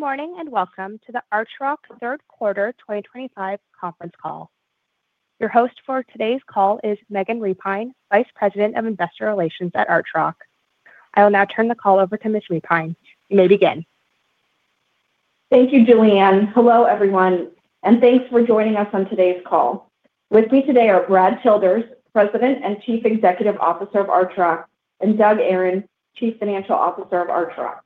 Good morning and welcome to the Archrock third quarter 2025 conference call. Your host for today's call is Megan Repine, Vice President of Investor Relations at Archrock. I will now turn the call over to Ms. Repine. You may begin. Thank you, Julianne. Hello, everyone, and thanks for joining us on today's call. With me today are Brad Childers, President and Chief Executive Officer of Archrock, and Doug Aron, Chief Financial Officer of Archrock.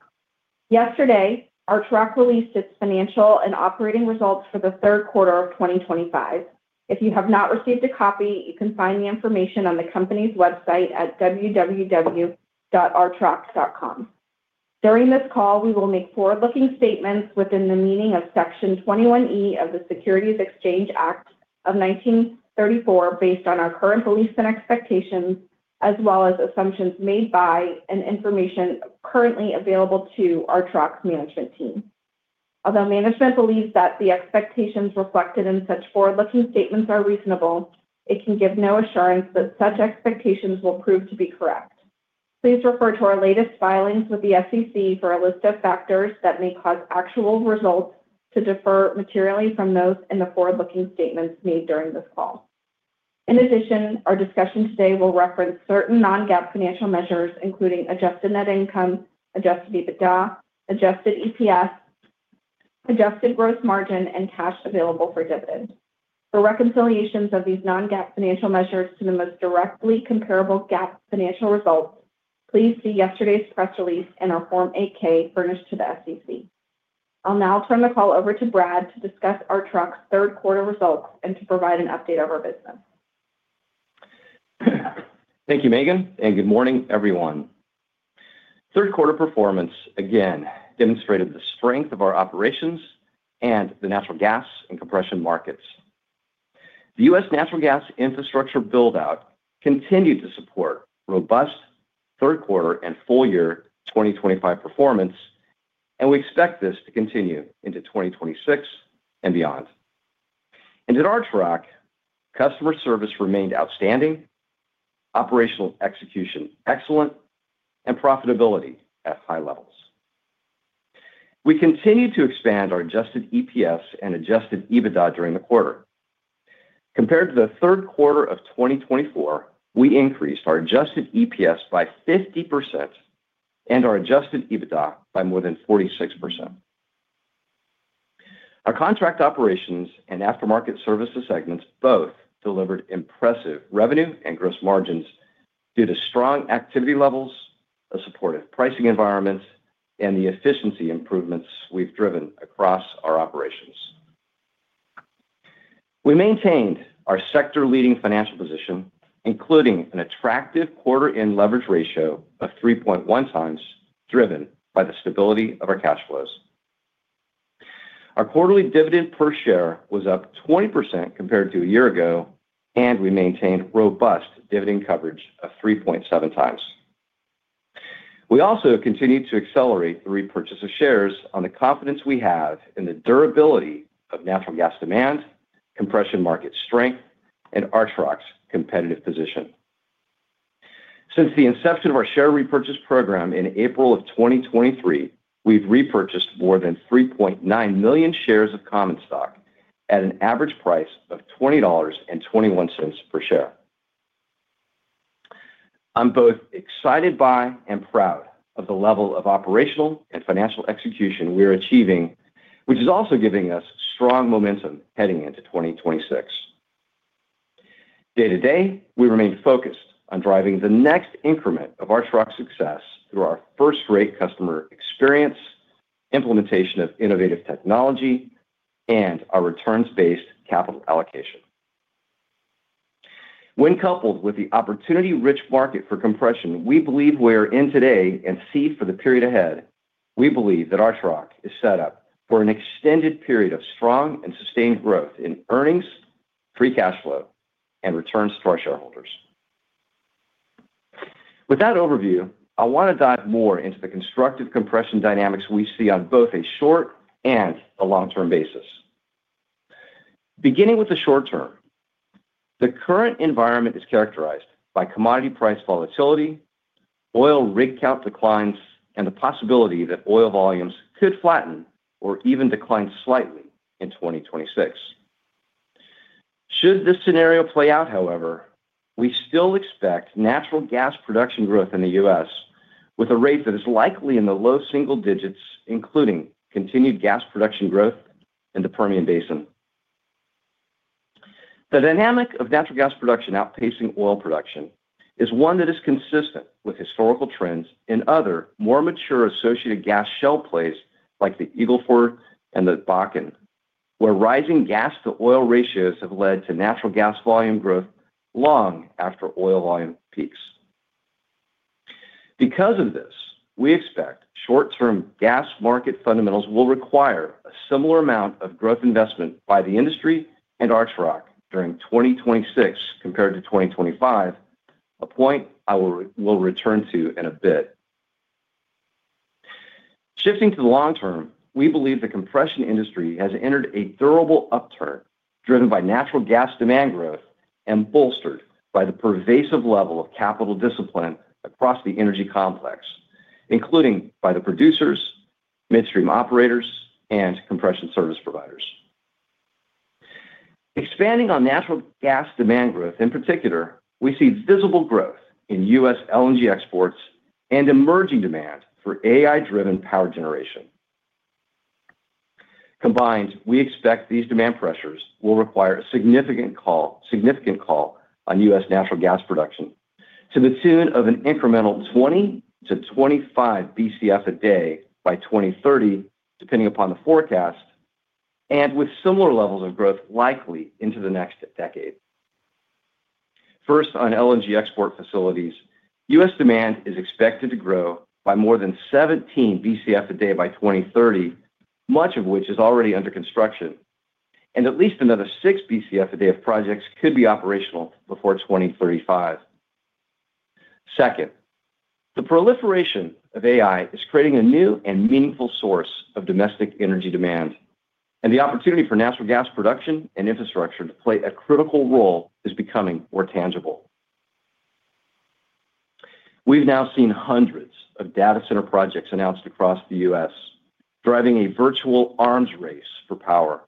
Yesterday, Archrock released its financial and operating results for the third quarter of 2025. If you have not received a copy, you can find the information on the company's website at www.archrock.com. During this call, we will make forward-looking statements within the meaning of Section 21E of the Securities Exchange Act of 1934 based on our current beliefs and expectations, as well as assumptions made by and information currently available to our management team. Although management believes that the expectations reflected in such forward-looking statements are reasonable, it can give no assurance that such expectations will prove to be correct. Please refer to our latest filings with the SEC for a list of factors that may cause actual results to differ materially from those in the forward-looking statements made during this call. In addition, our discussion today will reference certain non-GAAP financial measures, including adjusted net income, adjusted EBITDA, adjusted EPS. Adjusted gross margin, and cash available for dividends. For reconciliations of these non-GAAP financial measures to the most directly comparable GAAP financial results, please see yesterday's press release and our Form 8-K furnished to the SEC. I'll now turn the call over to Brad to discuss our trucks third quarter results and to provide an update of our business. Thank you, Megan, and good morning, everyone. Third quarter performance again demonstrated the strength of our operations and the natural gas and compression markets. The U.S. natural gas infrastructure build-out continued to support robust third quarter and full year 2025 performance, and we expect this to continue into 2026 and beyond. At Archrock, customer service remained outstanding. Operational execution excellent, and profitability at high levels. We continue to expand our adjusted EPS and adjusted EBITDA during the quarter. Compared to the third quarter of 2024, we increased our adjusted EPS by 50% and our adjusted EBITDA by more than 46%. Our contract operations and aftermarket services segments both delivered impressive revenue and gross margins due to strong activity levels, a supportive pricing environment, and the efficiency improvements we've driven across our operations. We maintained our sector-leading financial position, including an attractive quarter-end leverage ratio of 3.1x, driven by the stability of our cash flows. Our quarterly dividend per share was up 20% compared to a year ago, and we maintained robust dividend coverage of 3.7x. We also continue to accelerate the repurchase of shares on the confidence we have in the durability of natural gas demand, compression market strength, and Archrock's competitive position. Since the inception of our share repurchase program in April of 2023, we've repurchased more than 3.9 million shares of common stock at an average price of $20.21 per share. I'm both excited by and proud of the level of operational and financial execution we are achieving, which is also giving us strong momentum heading into 2026. Day to day, we remain focused on driving the next increment of Archrock's success through our first-rate customer experience, implementation of innovative technology, and our returns-based capital allocation. When coupled with the opportunity-rich market for compression, we believe we are in today and see for the period ahead, we believe that Archrock is set up for an extended period of strong and sustained growth in earnings, free cash flow, and returns to our shareholders. With that overview, I want to dive more into the constructive compression dynamics we see on both a short and a long-term basis. Beginning with the short term, the current environment is characterized by commodity price volatility, oil rig count declines, and the possibility that oil volumes could flatten or even decline slightly in 2026. Should this scenario play out, however, we still expect natural gas production growth in the U.S. with a rate that is likely in the low single digits, including continued gas production growth in the Permian Basin. The dynamic of natural gas production outpacing oil production is one that is consistent with historical trends in other more mature associated gas shale plays like the Eagle Ford and the Bakken, where rising gas-to-oil ratios have led to natural gas volume growth long after oil volume peaks. Because of this, we expect short-term gas market fundamentals will require a similar amount of growth investment by the industry and Archrock during 2026 compared to 2025, a point I will return to in a bit. Shifting to the long term, we believe the compression industry has entered a durable upturn driven by natural gas demand growth and bolstered by the pervasive level of capital discipline across the energy complex, including by the producers, midstream operators, and compression service providers. Expanding on natural gas demand growth in particular, we see visible growth in U.S. LNG exports and emerging demand for AI-driven power generation. Combined, we expect these demand pressures will require a significant call on U.S. natural gas production to the tune of an incremental 20-25 BCF a day by 2030, depending upon the forecast. And with similar levels of growth likely into the next decade. First, on LNG export facilities, U.S. demand is expected to grow by more than 17 BCF a day by 2030, much of which is already under construction, and at least another 6 BCF a day of projects could be operational before 2035. Second, the proliferation of AI is creating a new and meaningful source of domestic energy demand, and the opportunity for natural gas production and infrastructure to play a critical role is becoming more tangible. We've now seen hundreds of data center projects announced across the U.S., driving a virtual arms race for power.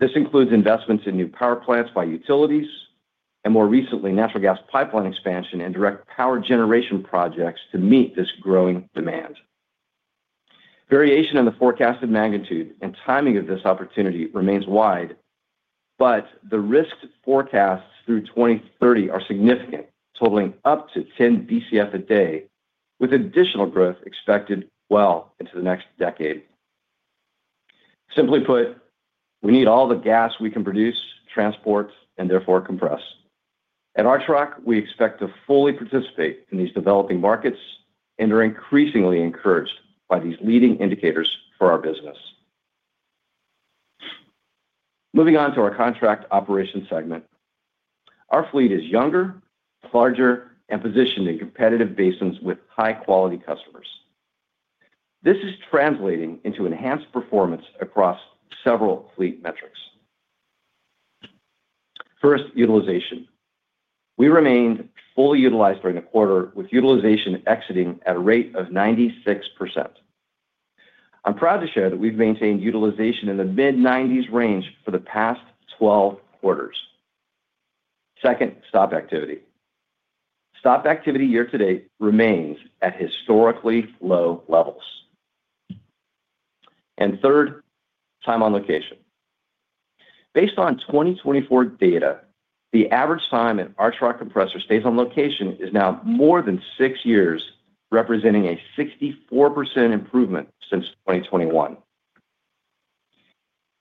This includes investments in new power plants by utilities and, more recently, natural gas pipeline expansion and direct power generation projects to meet this growing demand. Variation in the forecasted magnitude and timing of this opportunity remains wide, but the risk forecasts through 2030 are significant, totaling up to 10 BCF a day, with additional growth expected well into the next decade. Simply put, we need all the gas we can produce, transport, and therefore compress. At Archrock, we expect to fully participate in these developing markets, and are increasingly encouraged by these leading indicators for our business. Moving on to our contract operation segment. Our fleet is younger, larger, and positioned in competitive basins with high-quality customers. This is translating into enhanced performance across several fleet metrics. First, utilization. We remained fully utilized during the quarter, with utilization exiting at a rate of 96%. I'm proud to share that we've maintained utilization in the mid-90s range for the past 12 quarters. Second, stop activity. Stop activity year to date remains at historically low levels. And third, time on location. Based on 2024 data, the average time an Archrock compressor stays on location is now more than six years, representing a 64% improvement since 2021.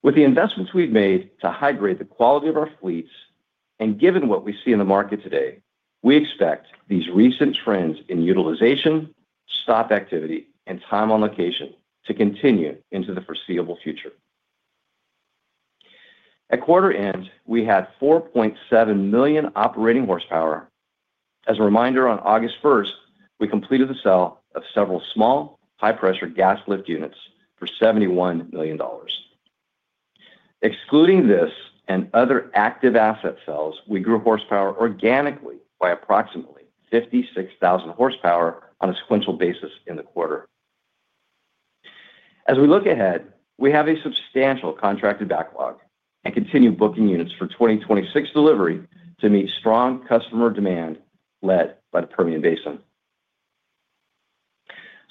With the investments we've made to hydrate the quality of our fleets and given what we see in the market today, we expect these recent trends in utilization, stop activity, and time on location to continue into the foreseeable future. At quarter end, we had 4.7 million operating horsepower. As a reminder, on August 1st, we completed the sell of several small high-pressure gas lift units for $71 million. Excluding this and other active asset sales, we grew horsepower organically by approximately 56,000 horsepower on a sequential basis in the quarter. As we look ahead, we have a substantial contracted backlog and continue booking units for 2026 delivery to meet strong customer demand led by the Permian Basin.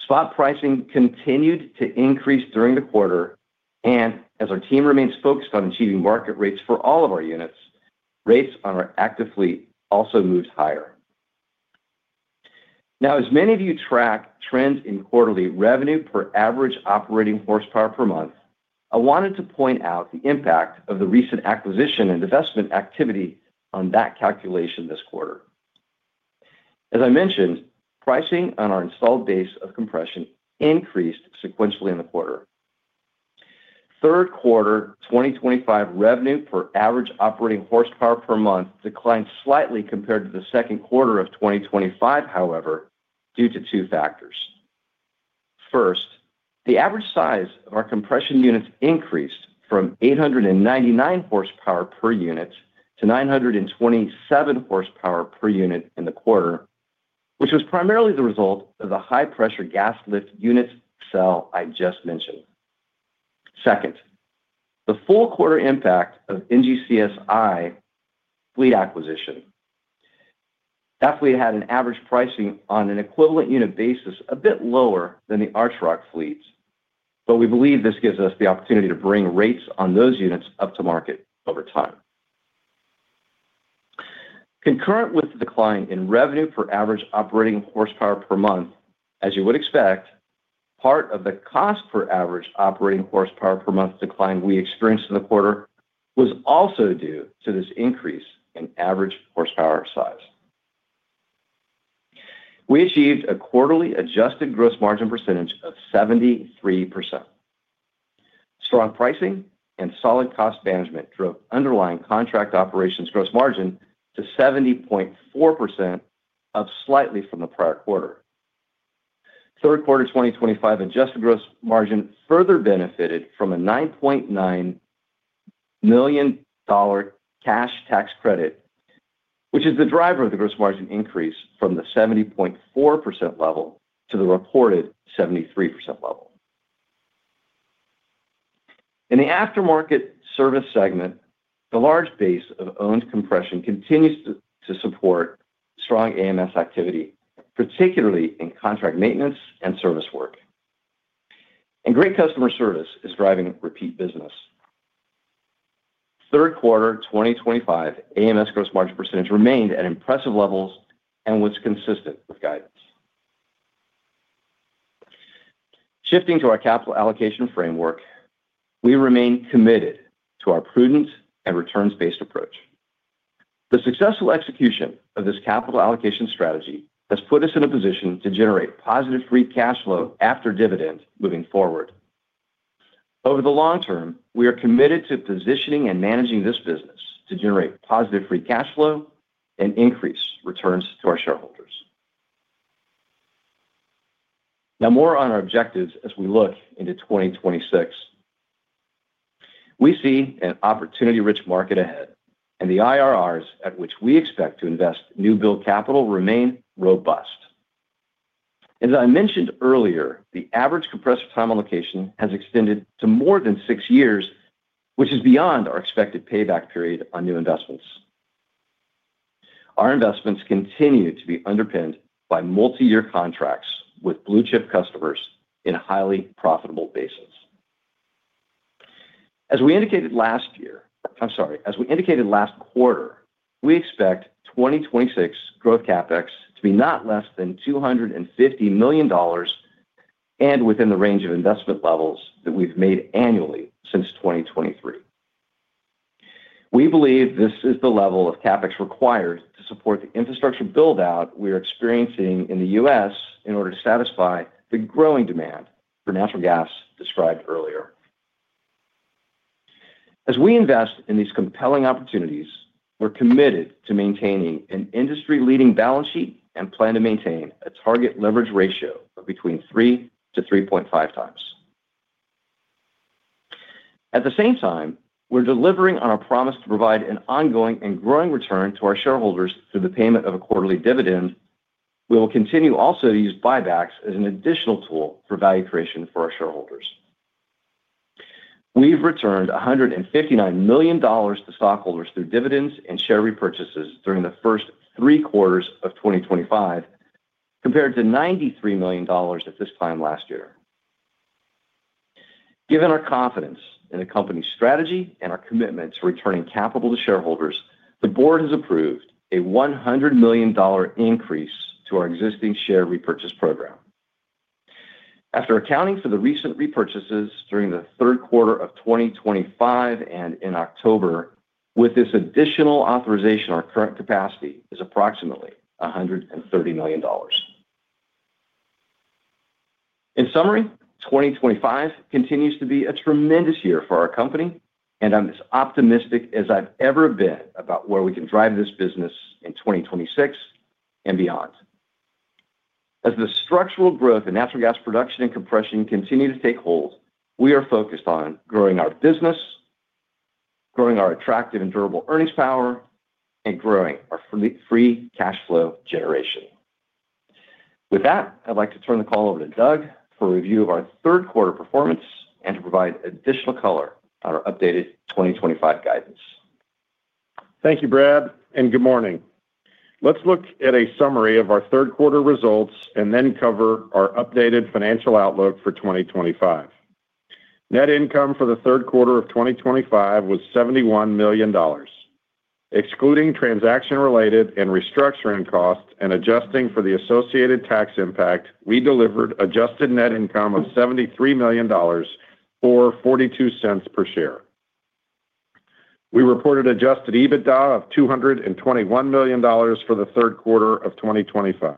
Spot pricing continued to increase during the quarter, and as our team remains focused on achieving market rates for all of our units, rates on our active fleet also moved higher. Now, as many of you track trends in quarterly revenue per average operating horsepower per month, I wanted to point out the impact of the recent acquisition and investment activity on that calculation this quarter. As I mentioned, pricing on our installed base of compression increased sequentially in the quarter. Third quarter 2025 revenue per average operating horsepower per month declined slightly compared to the second quarter of 2025, however, due to two factors. First, the average size of our compression units increased from 899 horsepower per unit to 927 horsepower per unit in the quarter, which was primarily the result of the high-pressure gas lift unit sell I just mentioned. Second, the full quarter impact of NGCSI fleet acquisition. That fleet had an average pricing on an equivalent unit basis a bit lower than the Archrock fleets, but we believe this gives us the opportunity to bring rates on those units up to market over time. Concurrent with the decline in revenue per average operating horsepower per month, as you would expect, part of the cost per average operating horsepower per month decline we experienced in the quarter was also due to this increase in average horsepower size. We achieved a quarterly adjusted gross margin percentage of 73%. Strong pricing and solid cost management drove underlying contract operations gross margin to 70.4% up slightly from the prior quarter. Third quarter 2025 adjusted gross margin further benefited from a $9.9. Million. Cash tax credit, which is the driver of the gross margin increase from the 70.4% level to the reported 73% level. In the aftermarket service segment, the large base of owned compression continues to support strong AMS activity, particularly in contract maintenance and service work. And great customer service is driving repeat business. Third quarter 2025 AMS gross margin percentage remained at impressive levels and was consistent with guidance. Shifting to our capital allocation framework, we remain committed to our prudent and returns-based approach. The successful execution of this capital allocation strategy has put us in a position to generate positive free cash flow after dividend moving forward. Over the long term, we are committed to positioning and managing this business to generate positive free cash flow and increase returns to our shareholders. Now, more on our objectives as we look into 2026. We see an opportunity-rich market ahead, and the IRRs at which we expect to invest new-build capital remain robust. As I mentioned earlier, the average compressor time on location has extended to more than six years, which is beyond our expected payback period on new investments. Our investments continue to be underpinned by multi-year contracts with blue-chip customers in highly profitable basins. As we indicated last year—I'm sorry—as we indicated last quarter, we expect 2026 growth CapEx to be not less than $250 million. And within the range of investment levels that we've made annually since 2023. We believe this is the level of CapEx required to support the infrastructure buildout we are experiencing in the U.S. in order to satisfy the growing demand for natural gas described earlier. As we invest in these compelling opportunities, we're committed to maintaining an industry-leading balance sheet and plan to maintain a target leverage ratio of between 3x-3.5x. At the same time, we're delivering on our promise to provide an ongoing and growing return to our shareholders through the payment of a quarterly dividend. We will continue also to use buybacks as an additional tool for value creation for our shareholders. We've returned $159 million to stockholders through dividends and share repurchases during the first three quarters of 2025. Compared to $93 million at this time last year. Given our confidence in the company's strategy and our commitment to returning capital to shareholders, the board has approved a $100 million increase to our existing share repurchase program. After accounting for the recent repurchases during the third quarter of 2025 and in October, with this additional authorization, our current capacity is approximately $130 million. In summary, 2025 continues to be a tremendous year for our company, and I'm as optimistic as I've ever been about where we can drive this business in 2026 and beyond. As the structural growth in natural gas production and compression continue to take hold, we are focused on growing our business. Growing our attractive and durable earnings power, and growing our free cash flow generation. With that, I'd like to turn the call over to Doug for review of our third quarter performance and to provide additional color on our updated 2025 guidance. Thank you, Brad, and good morning. Let's look at a summary of our third quarter results and then cover our updated financial outlook for 2025. Net income for the third quarter of 2025 was $71 million. Excluding transaction-related and restructuring costs and adjusting for the associated tax impact, we delivered adjusted net income of $73 million or $0.42 per share. We reported adjusted EBITDA of $221 million for the third quarter of 2025.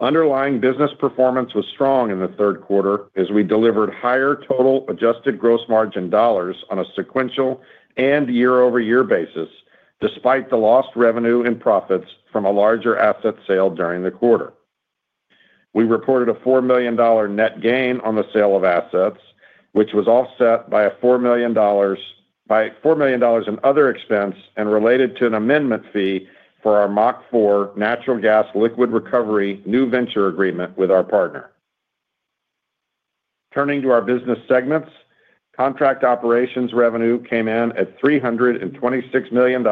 Underlying business performance was strong in the third quarter as we delivered higher total adjusted gross margin dollars on a sequential and year-over-year basis, despite the lost revenue and profits from a larger asset sale during the quarter. We reported a $4 million net gain on the sale of assets, which was offset by a $4 million. In other expense and related to an amendment fee for our MACH4 natural gas liquid recovery new venture agreement with our partner. Turning to our business segments, contract operations revenue came in at $326 million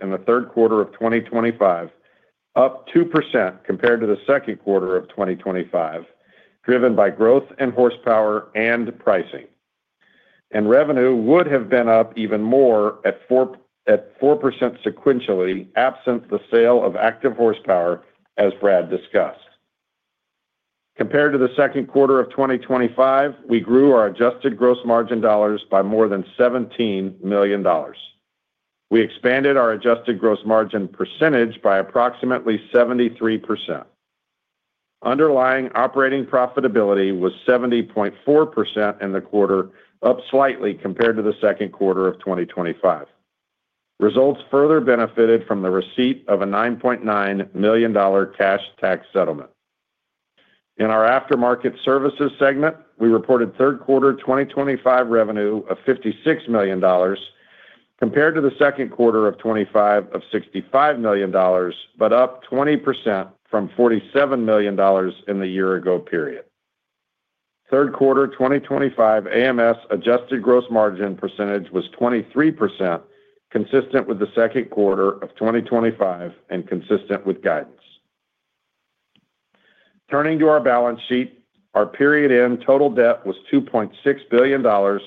in the third quarter of 2025. Up 2% compared to the second quarter of 2025, driven by growth in horsepower and pricing. And revenue would have been up even more at 4% sequentially absent the sale of active horsepower, as Brad discussed. Compared to the second quarter of 2025, we grew our adjusted gross margin dollars by more than $17 million. We expanded our adjusted gross margin percentage by approximately 73%. Underlying operating profitability was 70.4% in the quarter, up slightly compared to the second quarter of 2025. Results further benefited from the receipt of a $9.9 million cash tax settlement. In our aftermarket services segment, we reported third quarter 2025 revenue of $56 million. Compared to the second quarter of 2025 of $65 million, but up 20% from $47 million in the year-ago period. Third quarter 2025 AMS adjusted gross margin percentage was 23%, consistent with the second quarter of 2025 and consistent with guidance. Turning to our balance sheet, our period-end total debt was $2.6 billion.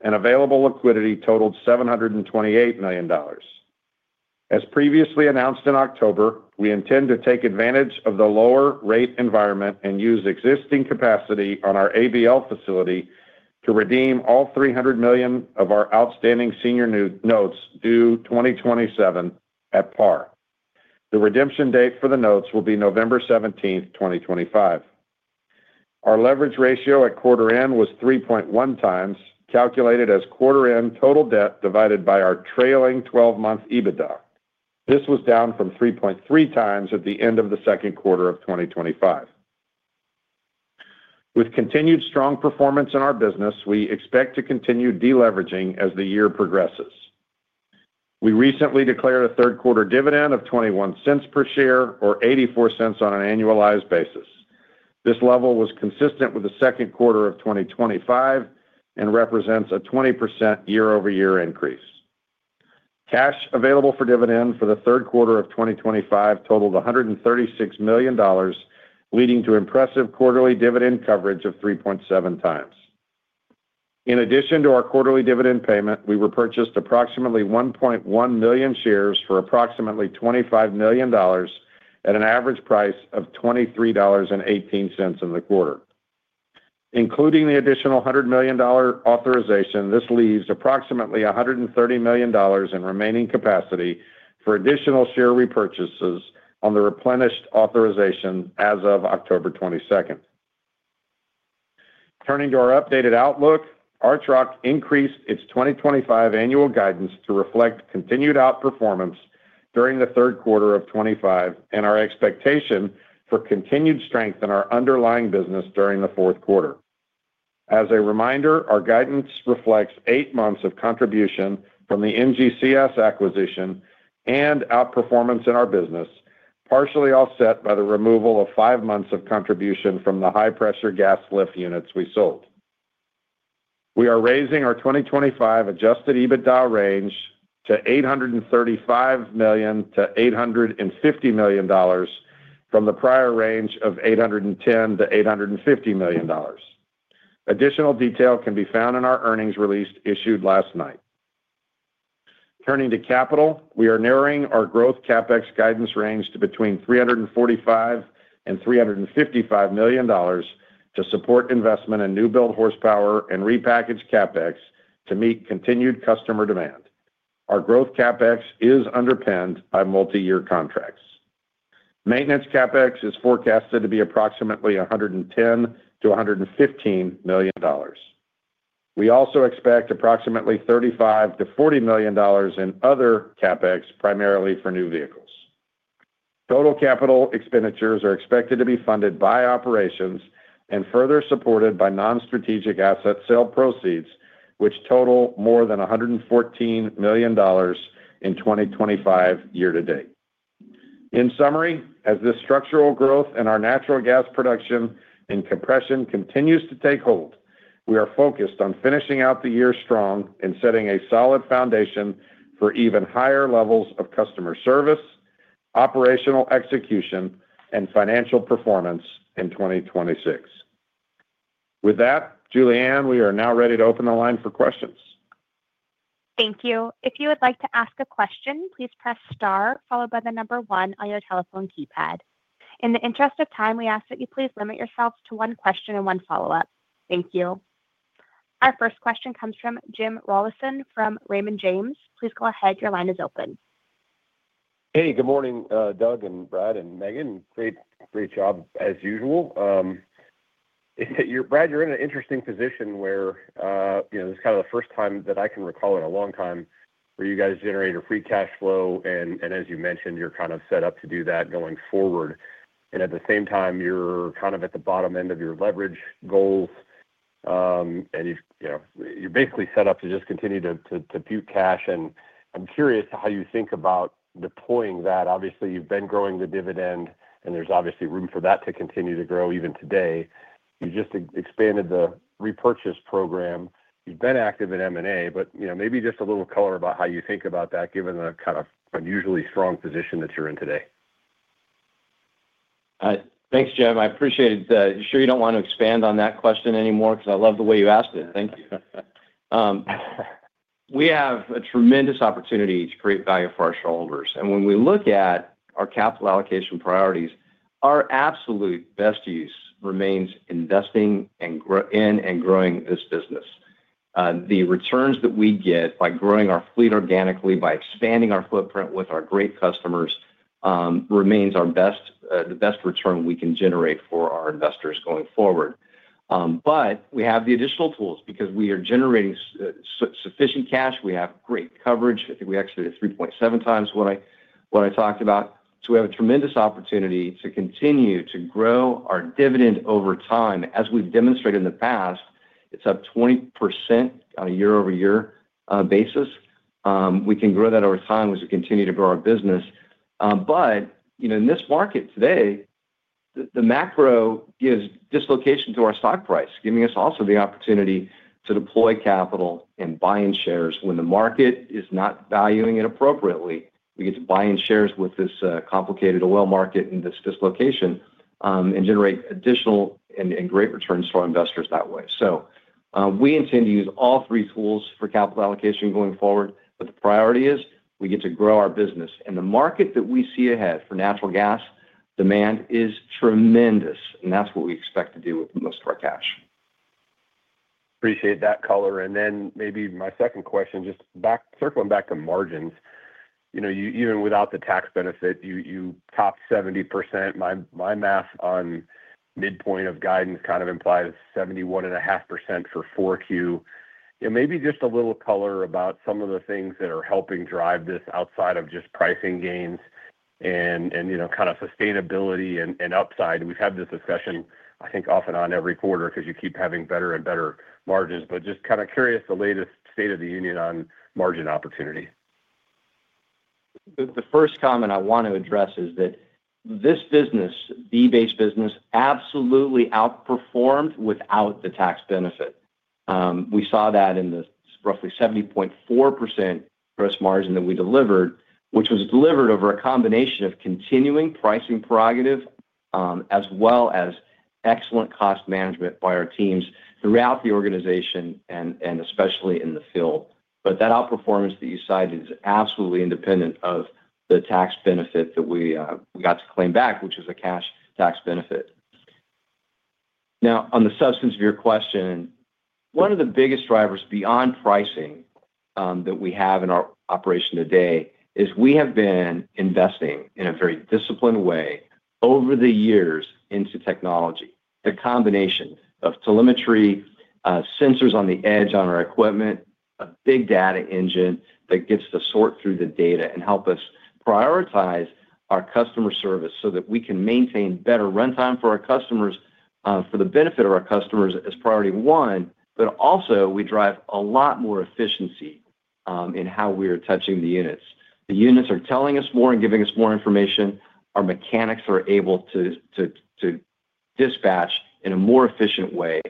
And available liquidity totaled $728 million. As previously announced in October, we intend to take advantage of the lower rate environment and use existing capacity on our ABL facility to redeem all 300 million of our outstanding senior notes due 2027 at par. The redemption date for the notes will be November 17th, 2025. Our leverage ratio at quarter end was 3.1x, calculated as quarter-end total debt divided by our trailing 12-month EBITDA. This was down from 3.3x at the end of the second quarter of 2025. With continued strong performance in our business, we expect to continue deleveraging as the year progresses. We recently declared a third quarter dividend of $0.21 per share, or $0.84 on an annualized basis. This level was consistent with the second quarter of 2025 and represents a 20% year-over-year increase. Cash available for dividend for the third quarter of 2025 totaled $136 million, leading to impressive quarterly dividend coverage of 3.7x. In addition to our quarterly dividend payment, we repurchased approximately 1.1 million shares for approximately $25 million. At an average price of $23.18 in the quarter. Including the additional $100 million authorization, this leaves approximately $130 million in remaining capacity for additional share repurchases on the replenished authorization as of October 22nd. Turning to our updated outlook, Archrock increased its 2025 annual guidance to reflect continued outperformance during the third quarter of 2025 and our expectation for continued strength in our underlying business during the fourth quarter. As a reminder, our guidance reflects eight months of contribution from the NGCS acquisition and outperformance in our business, partially offset by the removal of five months of contribution from the high-pressure gas lift units we sold. We are raising our 2025 adjusted EBITDA range to $835 million-$850 million from the prior range of $810 million-$850 million. Additional detail can be found in our earnings released issued last night. Turning to capital, we are narrowing our growth CapEx guidance range to between $345 million and $355 million. To support investment in new-build horsepower and repackaged CapEx to meet continued customer demand. Our growth CapEx is underpinned by multi-year contracts. Maintenance CapEx is forecasted to be approximately $110 million-$115 million. We also expect approximately $35 million-$40 million in other CapEx, primarily for new vehicles. Total capital expenditures are expected to be funded by operations and further supported by non-strategic asset sale proceeds, which total more than $114 million. In 2025 year-to-date. In summary, as this structural growth in our natural gas production and compression continues to take hold, we are focused on finishing out the year strong and setting a solid foundation for even higher levels of customer service, operational execution, and financial performance in 2026. With that, Julianne, we are now ready to open the line for questions. Thank you. If you would like to ask a question, please press star followed by the number one on your telephone keypad. In the interest of time, we ask that you please limit yourselves to one question and one follow-up. Thank you. Our first question comes from Jim Rollyson from Raymond James. Please go ahead. Your line is open. Hey, good morning, Doug and Brad and Megan. Great job as usual. Brad, you're in an interesting position where. This is kind of the first time that I can recall in a long time where you guys generate a free cash flow. And as you mentioned, you're kind of set up to do that going forward. And at the same time, you're kind of at the bottom end of your leverage goals. And you're basically set up to just continue to puke cash. And I'm curious how you think about deploying that. Obviously, you've been growing the dividend, and there's obviously room for that to continue to grow even today. You just expanded the repurchase program. You've been active in M&A, but maybe just a little color about how you think about that, given the kind of unusually strong position that you're in today. Thanks, Jim. I appreciate it. Sure, you don't want to expand on that question anymore because I love the way you asked it. Thank you. We have a tremendous opportunity to create value for our shoulders. And when we look at our capital allocation priorities, our absolute best use remains investing in and growing this business. The returns that we get by growing our fleet organically, by expanding our footprint with our great customers, remains the best. Return we can generate for our investors going forward. But we have the additional tools because we are generating. Sufficient cash. We have great coverage. I think we exited 3.7x what I talked about. So we have a tremendous opportunity to continue to grow our dividend over time. As we've demonstrated in the past, it's up 20% on a year-over-year basis. We can grow that over time as we continue to grow our business. But in this market today. The macro gives dislocation to our stock price, giving us also the opportunity to deploy capital and buy in shares when the market is not valuing it appropriately. We get to buy in shares with this complicated oil market and this dislocation and generate additional and great returns for our investors that way. So we intend to use all three tools for capital allocation going forward, but the priority is we get to grow our business. And the market that we see ahead for natural gas demand is tremendous, and that's what we expect to do with most of our cash. Appreciate that color, and then maybe my second question, just circling back to margins. Even without the tax benefit, you top 70%. My math on midpoint of guidance kind of implies 71.5% for 4Q. Maybe just a little color about some of the things that are helping drive this outside of just pricing gains and kind of sustainability and upside. We've had this discussion, I think, off and on every quarter because you keep having better and better margins. But just kind of curious the latest state of the union on margin opportunity. The first comment I want to address is that this business, the base business, absolutely outperformed without the tax benefit. We saw that in the roughly 70.4% gross margin that we delivered, which was delivered over a combination of continuing pricing prerogative as well as excellent cost management by our teams throughout the organization and especially in the field, but that outperformance that you cited is absolutely independent of the tax benefit that we got to claim back, which is a cash tax benefit. Now, on the substance of your question, one of the biggest drivers beyond pricing that we have in our operation today is we have been investing in a very disciplined way over the years into technology. The combination of telemetry, sensors on the edge on our equipment, a big data engine that gets to sort through the data and help us prioritize our customer service so that we can maintain better runtime for our customers, for the benefit of our customers as priority one, but also we drive a lot more efficiency in how we are touching the units. The units are telling us more and giving us more information. Our mechanics are able to. Dispatch in a more efficient way.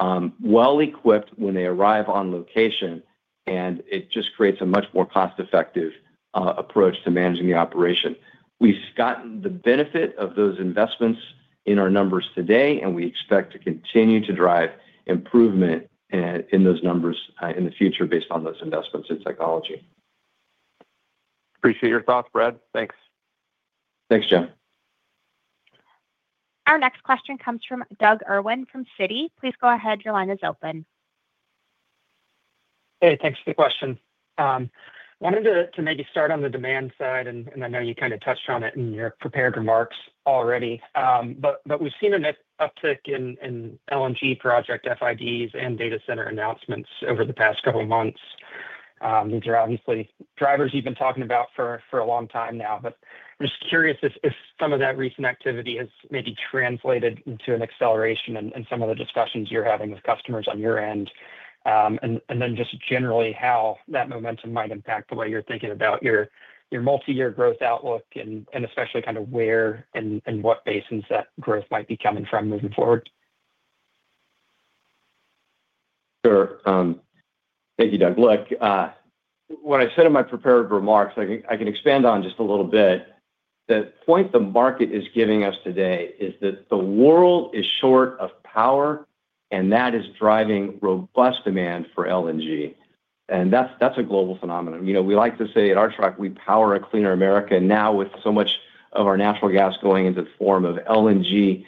Well-equipped when they arrive on location, and it just creates a much more cost-effective approach to managing the operation. We've gotten the benefit of those investments in our numbers today, and we expect to continue to drive improvement in those numbers in the future based on those investments in technology. Appreciate your thoughts, Brad. Thanks. Thanks, Jim. Our next question comes from Doug Irwin from Citi. Please go ahead. Your line is open. Hey, thanks for the question. I wanted to maybe start on the demand side, and I know you kind of touched on it in your prepared remarks already. But we've seen an uptick in LNG project FIDs and data center announcements over the past couple of months. These are obviously drivers you've been talking about for a long time now, but I'm just curious if some of that recent activity has maybe translated into an acceleration in some of the discussions you're having with customers on your end. And then just generally how that momentum might impact the way you're thinking about your multi-year growth outlook and especially kind of where and what basins that growth might be coming from moving forward. Sure. Thank you, Doug. Look. What I said in my prepared remarks, I can expand on just a little bit. The point the market is giving us today is that the world is short of power, and that is driving robust demand for LNG. And that's a global phenomenon. We like to say at Archrock, we power a cleaner America now with so much of our natural gas going into the form of LNG.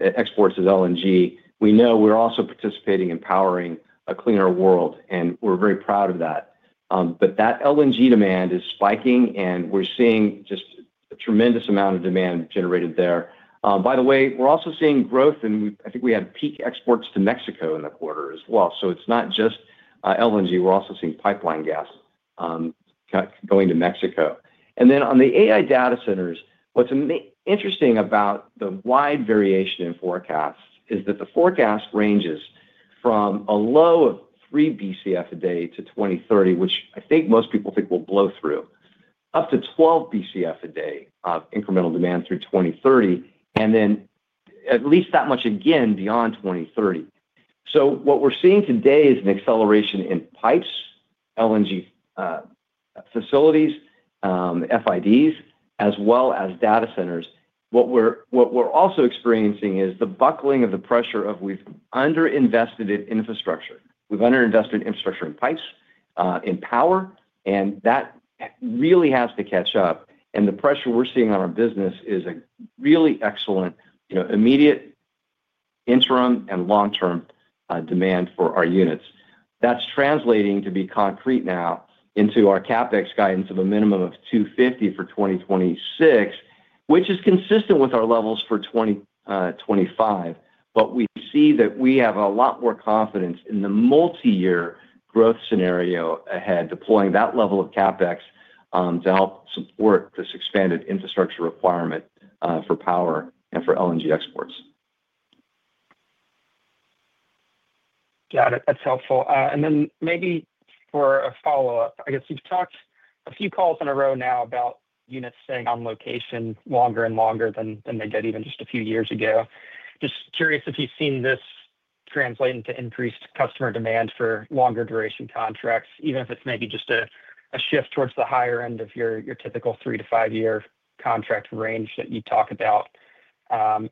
Exports of LNG. We know we're also participating in powering a cleaner world, and we're very proud of that. But that LNG demand is spiking, and we're seeing just a tremendous amount of demand generated there. By the way, we're also seeing growth, and I think we had peak exports to Mexico in the quarter as well. So it's not just LNG. We're also seeing pipeline gas. Going to Mexico. And then on the AI data centers, what's interesting about the wide variation in forecasts is that the forecast ranges from a low of 3 BCF a day to 2030, which I think most people think will blow through. Up to 12 BCF a day of incremental demand through 2030, and then at least that much again beyond 2030. So what we're seeing today is an acceleration in pipes, LNG. Facilities. FIDs, as well as data centers. What we're also experiencing is the buckling of the pressure of we've underinvested in infrastructure. We've underinvested in infrastructure and pipes, in power, and that really has to catch up. And the pressure we're seeing on our business is a really excellent immediate. Interim and long-term demand for our units. That's translating to be concrete now into our CapEx guidance of a minimum of 250 for 2026, which is consistent with our levels for 2025. But we see that we have a lot more confidence in the multi-year growth scenario ahead, deploying that level of CapEx to help support this expanded infrastructure requirement for power and for LNG exports. Got it. That's helpful. And then maybe for a follow-up, I guess we've talked a few calls in a row now about units staying on location longer and longer than they did even just a few years ago. Just curious if you've seen this translate into increased customer demand for longer duration contracts, even if it's maybe just a shift towards the higher end of your typical three to five-year contract range that you talk about. And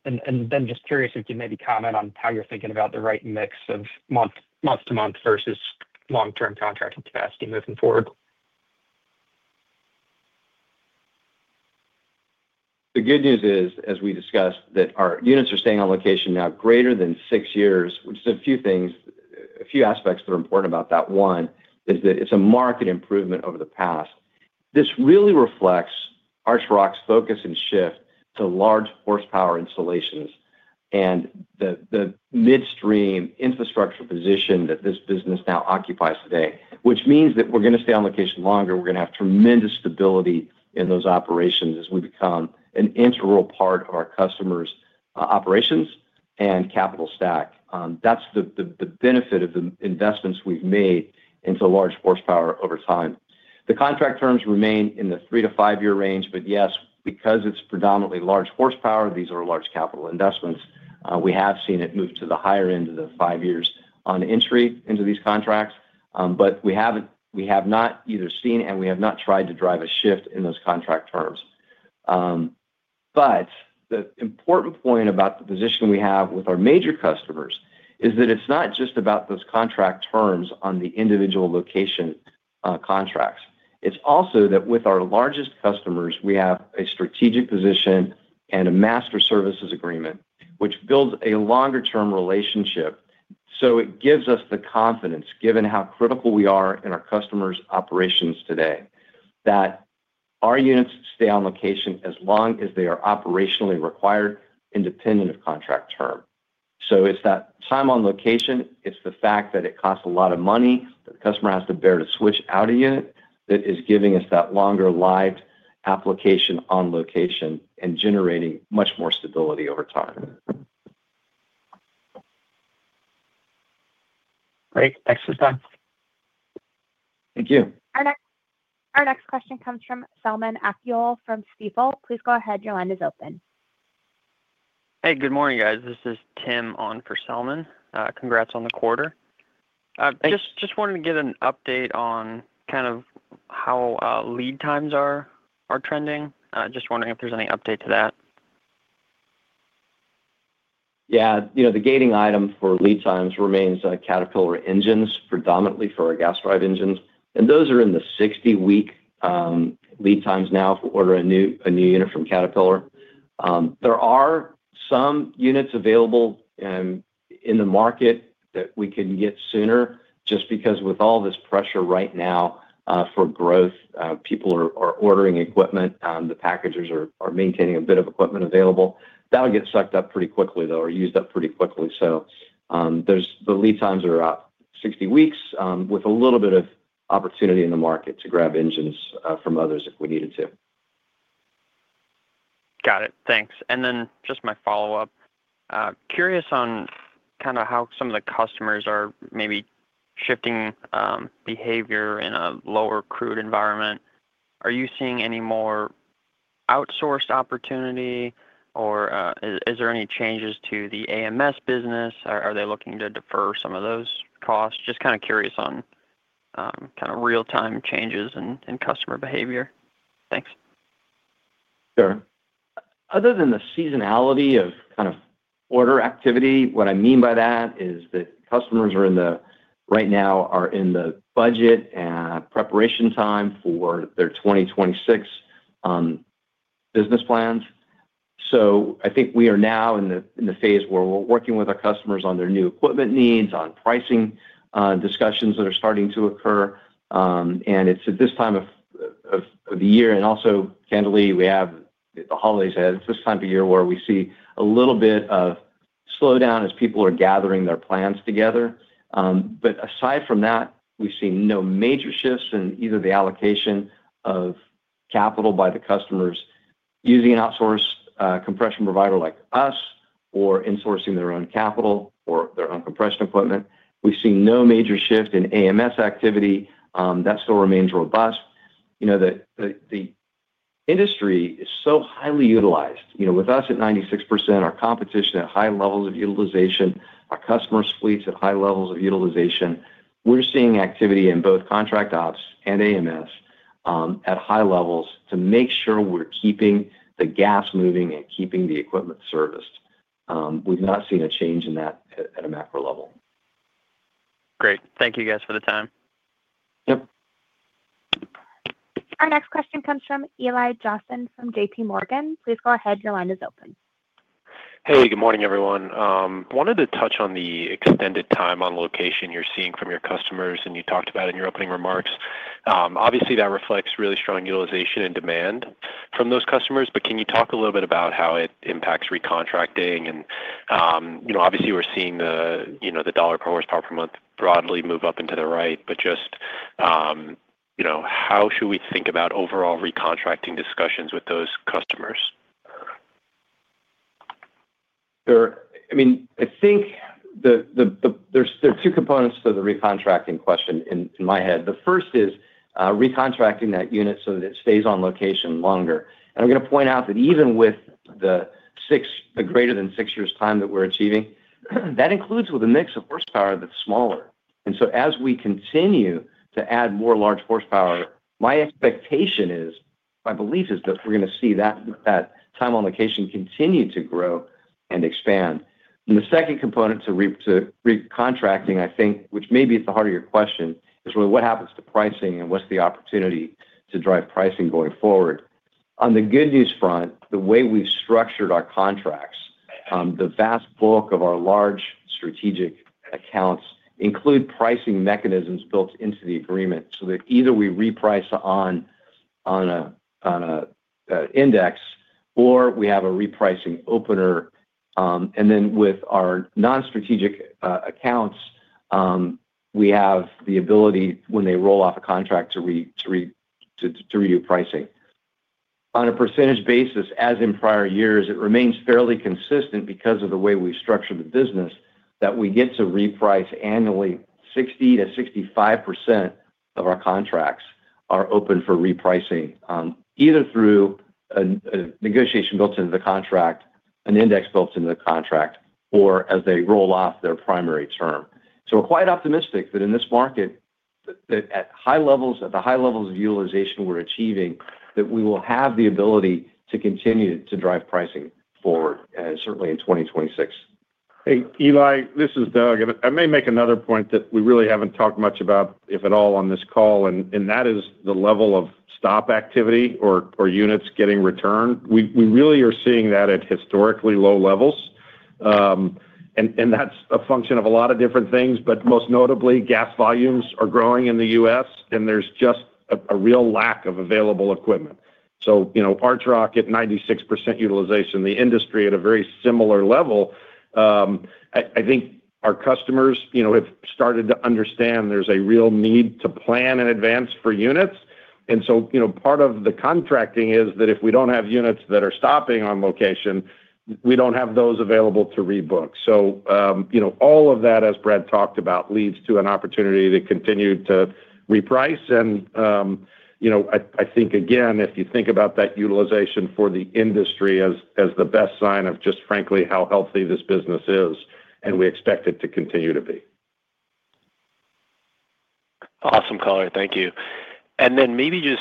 then just curious if you can maybe comment on how you're thinking about the right mix of month-to-month versus long-term contracting capacity moving forward. The good news is, as we discussed, that our units are staying on location now greater than six years, which is a few aspects that are important about that. One is that it's a market improvement over the past. This really reflects Archrock's focus and shift to large horsepower installations and the midstream infrastructure position that this business now occupies today, which means that we're going to stay on location longer. We're going to have tremendous stability in those operations as we become an integral part of our customers' operations and capital stack. That's the benefit of the investments we've made into large horsepower over time. The contract terms remain in the three to five-year range, but yes, because it's predominantly large horsepower, these are large capital investments. We have seen it move to the higher end of the five years on entry into these contracts, but we have not either seen and we have not tried to drive a shift in those contract terms. The important point about the position we have with our major customers is that it's not just about those contract terms on the individual location contracts. It's also that with our largest customers, we have a strategic position and a master services agreement, which builds a longer-term relationship. So it gives us the confidence, given how critical we are in our customers' operations today, that our units stay on location as long as they are operationally required, independent of contract term. So it's that time on location. It's the fact that it costs a lot of money, that the customer has to bear to switch out a unit that is giving us that longer live application on location and generating much more stability over time. Great. Thanks for the time. Thank you. Our next question comes from Selman Akyol from Stifel. Please go ahead. Your line is open. Hey, good morning, guys. This is Tim on for Selman. Congrats on the quarter. Just wanted to get an update on kind of how lead times are trending. Just wondering if there's any update to that. Yeah. The gating item for lead times remains Caterpillar engines, predominantly for our gas drive engines. And those are in the 60-week. Lead times now if we order a new unit from Caterpillar. There are some units available. In the market that we can get sooner just because with all this pressure right now for growth, people are ordering equipment. The packagers are maintaining a bit of equipment available. That'll get sucked up pretty quickly, though, or used up pretty quickly. So. The lead times are about 60 weeks with a little bit of opportunity in the market to grab engines from others if we needed to. Got it. Thanks. And then just my follow-up. Curious on kind of how some of the customers are maybe shifting behavior in a lower crude environment. Are you seeing any more. Outsourced opportunity, or is there any changes to the AMS business? Are they looking to defer some of those costs? Just kind of curious on. Kind of real-time changes in customer behavior. Thanks. Sure. Other than the seasonality of kind of order activity, what I mean by that is that customers right now are in the budget and preparation time for their 2026. Business plans. So I think we are now in the phase where we're working with our customers on their new equipment needs, on pricing discussions that are starting to occur. And it's at this time. Of the year. And also, candidly, we have the holidays ahead at this time of year where we see a little bit of slowdown as people are gathering their plans together. But aside from that, we've seen no major shifts in either the allocation of. Capital by the customers using an outsourced compression provider like us or insourcing their own capital or their own compression equipment. We've seen no major shift in AMS activity. That still remains robust. The. Industry is so highly utilized. With us at 96%, our competition at high levels of utilization, our customer suites at high levels of utilization, we're seeing activity in both contract ops and AMS at high levels to make sure we're keeping the gas moving and keeping the equipment serviced. We've not seen a change in that at a macro level. Great. Thank you, guys, for the time. Yep. Our next question comes from Eli Jossen from JPMorgan. Please go ahead. Your line is open. Hey, good morning, everyone. I wanted to touch on the extended time on location you're seeing from your customers, and you talked about in your opening remarks. Obviously, that reflects really strong utilization and demand from those customers, but can you talk a little bit about how it impacts recontracting? And. Obviously, we're seeing the dollar per horsepower per month broadly move up into the right, but just. How should we think about overall recontracting discussions with those customers? Sure. I mean, I think. There's two components to the recontracting question in my head. The first is recontracting that unit so that it stays on location longer. And I'm going to point out that even with the. Greater than six years' time that we're achieving, that includes with a mix of horsepower that's smaller. And so as we continue to add more large horsepower, my expectation is, my belief is that we're going to see that time on location continue to grow and expand. And the second component to recontracting, I think, which may be at the heart of your question, is really what happens to pricing and what's the opportunity to drive pricing going forward. On the good news front, the way we've structured our contracts, the vast bulk of our large strategic accounts include pricing mechanisms built into the agreement so that either we reprice on. An. Index or we have a repricing opener. And then with our non-strategic accounts. We have the ability, when they roll off a contract, to. Redo pricing. On a percentage basis, as in prior years, it remains fairly consistent because of the way we've structured the business that we get to reprice annually 60%-65% of our contracts are open for repricing, either through. A negotiation built into the contract, an index built into the contract, or as they roll off their primary term. So we're quite optimistic that in this market. At the high levels of utilization we're achieving, that we will have the ability to continue to drive pricing forward, certainly in 2026. Hey, Eli, this is Doug. I may make another point that we really haven't talked much about, if at all, on this call, and that is the level of stop activity or units getting returned. We really are seeing that at historically low levels. And that's a function of a lot of different things, but most notably, gas volumes are growing in the U.S., and there's just a real lack of available equipment. So Archrock at 96% utilization, the industry at a very similar level. I think our customers have started to understand there's a real need to plan in advance for units, and so part of the contracting is that if we don't have units that are stopping on location, we don't have those available to rebook. All of that, as Brad talked about, leads to an opportunity to continue to reprice. And. I think, again, if you think about that utilization for the industry as the best sign of just, frankly, how healthy this business is, and we expect it to continue to be. Awesome, Color. Thank you. And then maybe just.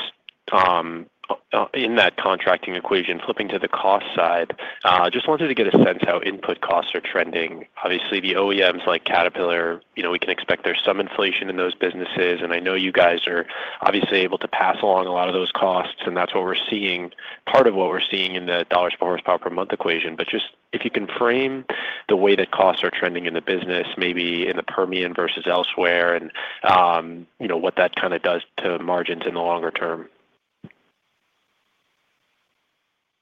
In that contracting equation, flipping to the cost side, I just wanted to get a sense how input costs are trending. Obviously, the OEMs like Caterpillar, we can expect there's some inflation in those businesses. And I know you guys are obviously able to pass along a lot of those costs, and that's what we're seeing, part of what we're seeing in the dollars per horsepower per month equation. But just if you can frame the way that costs are trending in the business, maybe in the Permian versus elsewhere, and. What that kind of does to margins in the longer term.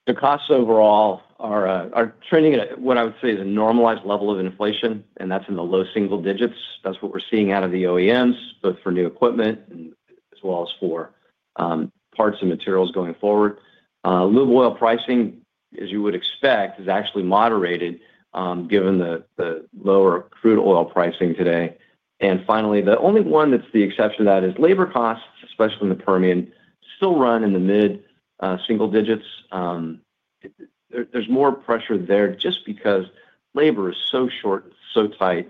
The costs overall are trending at what I would say is a normalized level of inflation, and that's in the low single digits. That's what we're seeing out of the OEMs, both for new equipment as well as for. Parts and materials going forward. Lube oil pricing, as you would expect, is actually moderated given the lower crude oil pricing today. And finally, the only one that's the exception to that is labor costs, especially in the Permian, still run in the mid single digits. There's more pressure there just because labor is so short and so tight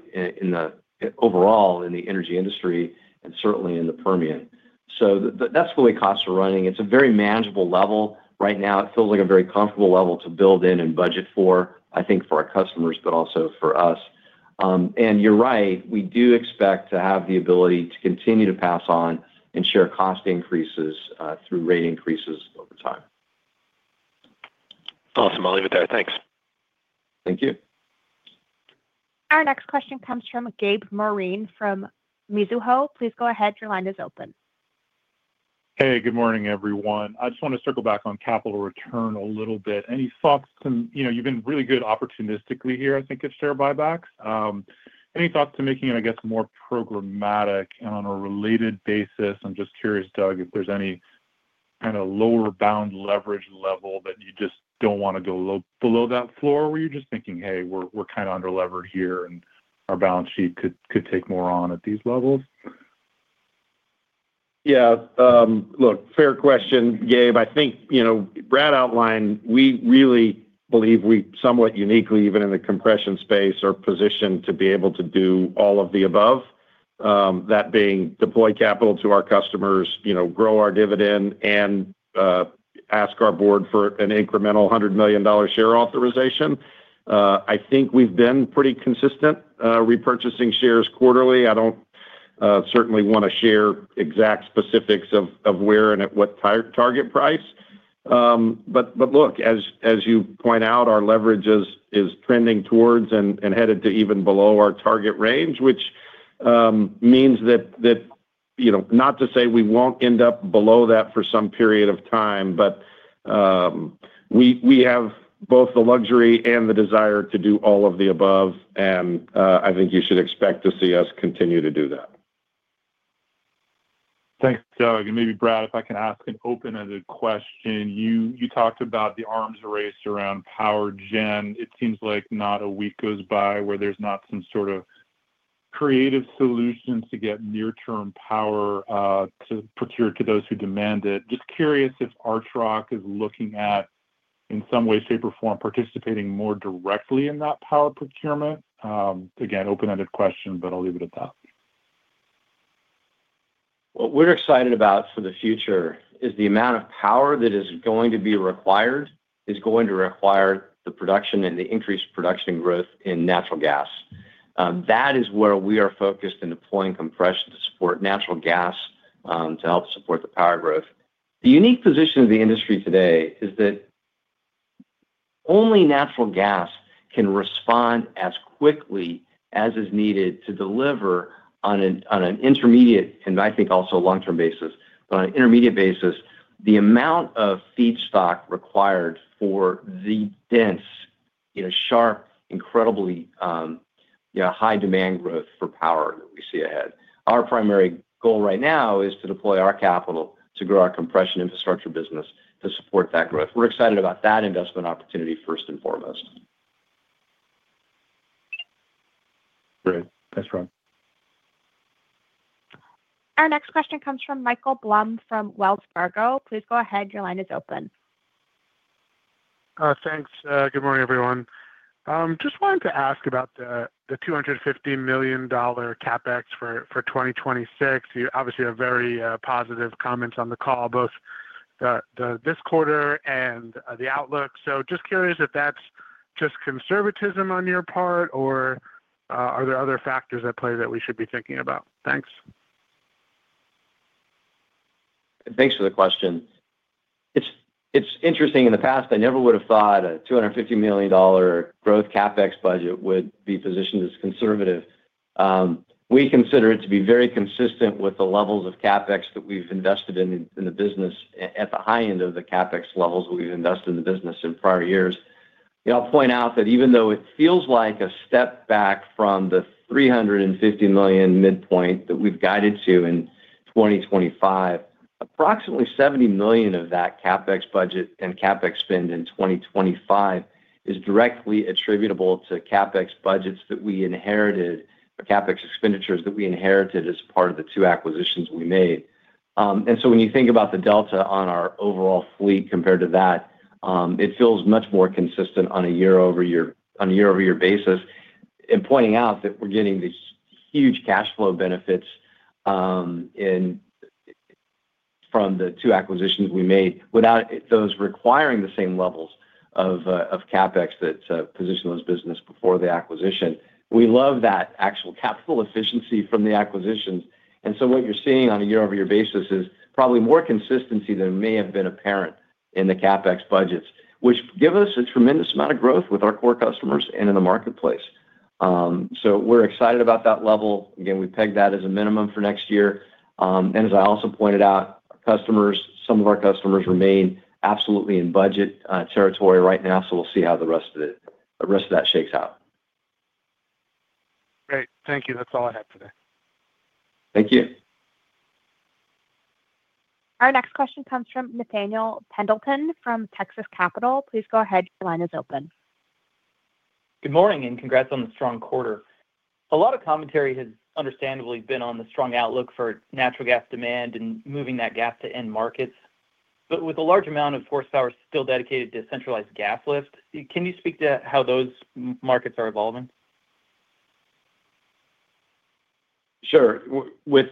overall in the energy industry and certainly in the Permian. So that's the way costs are running. It's a very manageable level right now. It feels like a very comfortable level to build in and budget for, I think, for our customers, but also for us. And you're right. We do expect to have the ability to continue to pass on and share cost increases through rate increases over time. Awesome. I'll leave it there. Thanks. Thank you. Our next question comes from Gabe Moreen from Mizuho. Please go ahead. Your line is open. Hey, good morning, everyone. I just want to circle back on capital return a little bit. Any thoughts? You've been really good opportunistically here, I think, at share buybacks. Any thoughts to making it, I guess, more programmatic and on a related basis? I'm just curious, Doug, if there's any kind of lower bound leverage level that you just don't want to go below that floor where you're just thinking, "Hey, we're kind of underleveraged here, and our balance sheet could take more on at these levels." Yeah. Look, fair question, Gabe. I think. Brad outlined, we really believe we somewhat uniquely, even in the compression space, are positioned to be able to do all of the above, that being deploy capital to our customers, grow our dividend, and. Ask our board for an incremental $100 million share authorization. I think we've been pretty consistent repurchasing shares quarterly. I don't certainly want to share exact specifics of where and at what target price. But look, as you point out, our leverage is trending towards and headed to even below our target range, which. Means that. Not to say we won't end up below that for some period of time, but. We have both the luxury and the desire to do all of the above, and I think you should expect to see us continue to do that. Thanks, Doug. And maybe, Brad, if I can ask an open-ended question. You talked about the arms race around power gen. It seems like not a week goes by where there's not some sort of. Creative solutions to get near-term power procured to those who demand it. Just curious if Archrock is looking at. In some way, shape, or form, participating more directly in that power procurement. Again, open-ended question, but I'll leave it at that. What we're excited about for the future is the amount of power that is going to be required is going to require the production and the increased production growth in natural gas. That is where we are focused in deploying compression to support natural gas to help support the power growth. The unique position of the industry today is that. Only natural gas can respond as quickly as is needed to deliver on an intermediate and I think also long-term basis, but on an intermediate basis, the amount of feedstock required for the dense, sharp, incredibly. High-demand growth for power that we see ahead. Our primary goal right now is to deploy our capital to grow our compression infrastructure business to support that growth. We're excited about that investment opportunity first and foremost. Great. Thanks, Brad. Our next question comes from Michael Blum from Wells Fargo. Please go ahead. Your line is open. Thanks. Good morning, everyone. Just wanted to ask about the $250 million. CapEx for 2026. You obviously have very positive comments on the call, both. This quarter and the outlook. So just curious if that's just conservatism on your part, or. Are there other factors at play that we should be thinking about? Thanks. Thanks for the question. It's interesting. In the past, I never would have thought a $250 million. Growth CapEx budget would be positioned as conservative. We consider it to be very consistent with the levels of CapEx that we've invested in the business at the high end of the CapEx levels we've invested in the business in prior years. I'll point out that even though it feels like a step back from the $350 million midpoint that we've guided to in 2025, approximately $70 million of that CapEx budget and CapEx spend in 2025 is directly attributable to CapEx budgets that we inherited or CapEx expenditures that we inherited as part of the two acquisitions we made. When you think about the delta on our overall fleet compared to that, it feels much more consistent on a year-over-year basis, and pointing out that we're getting these huge cash flow benefits in from the two acquisitions we made without those requiring the same levels of CapEx that positioned those businesses before the acquisition. We love that actual capital efficiency from the acquisitions. What you're seeing on a year-over-year basis is probably more consistency than may have been apparent in the CapEx budgets, which gives us a tremendous amount of growth with our core customers and in the marketplace. So we're excited about that level. Again, we pegged that as a minimum for next year. And as I also pointed out. Some of our customers remain absolutely in budget territory right now, so we'll see how the rest of that shakes out. Great. Thank you. That's all I have today. Thank you. Our next question comes from Nathaniel Pendleton from Texas Capital. Please go ahead. Your line is open. Good morning and congrats on the strong quarter. A lot of commentary has understandably been on the strong outlook for natural gas demand and moving that gas to end markets, but with a large amount of horsepower still dedicated to centralized gas lift, can you speak to how those markets are evolving? Sure. With.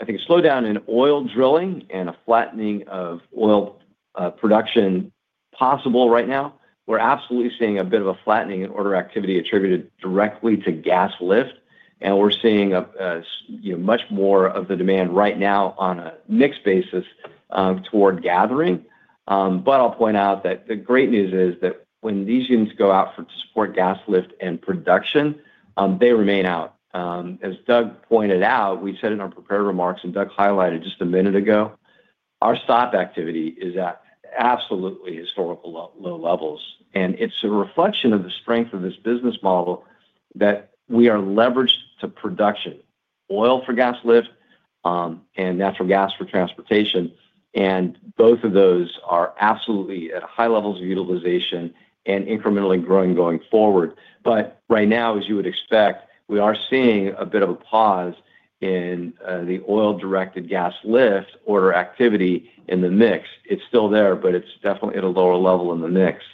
I think a slowdown in oil drilling and a flattening of oil production possible right now, we're absolutely seeing a bit of a flattening in order activity attributed directly to gas lift. And we're seeing much more of the demand right now on a mixed basis toward gathering. But I'll point out that the great news is that when these units go out to support gas lift and production, they remain out. As Doug pointed out, we said in our prepared remarks, and Doug highlighted just a minute ago, our stop activity is at absolutely historical low levels. And it's a reflection of the strength of this business model that we are leveraged to production: oil for gas lift. And natural gas for transportation. And both of those are absolutely at high levels of utilization and incrementally growing going forward. But right now, as you would expect, we are seeing a bit of a pause in the oil-directed gas lift order activity in the mix. It's still there, but it's definitely at a lower level in the mix.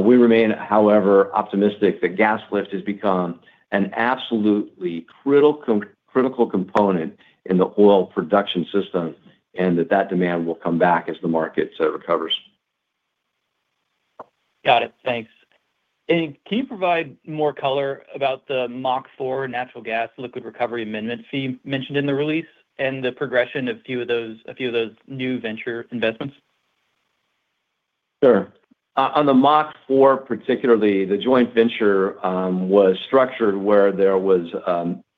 We remain, however, optimistic that gas lift has become an absolutely critical component in the oil production system and that that demand will come back as the market recovers. Got it. Thanks. And can you provide more color about the MACH4 natural gas liquid recovery amendment fee mentioned in the release and the progression of a few of those new venture investments? Sure. On the MACH4, particularly, the joint venture was structured where there was.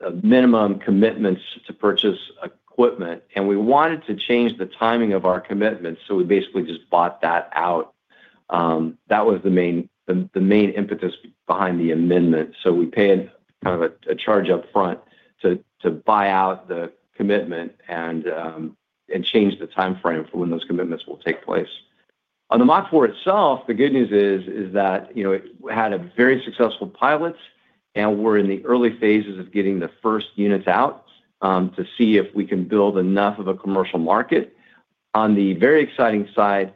A minimum commitment to purchase equipment. And we wanted to change the timing of our commitment, so we basically just bought that out. That was the main impetus behind the amendment. So we paid kind of a charge upfront to buy out the commitment and. Change the timeframe for when those commitments will take place. On the MACH4 itself, the good news is that it had a very successful pilot, and we're in the early phases of getting the first units out to see if we can build enough of a commercial market. On the very exciting side,